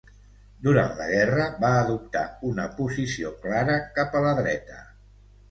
Durant la guerra, va adoptar una posició clara cap a la dreta.